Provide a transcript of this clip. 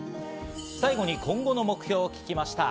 最後に今後の目標を聞きました。